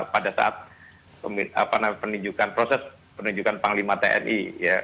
pada saat penunjukan proses penunjukan panglima tni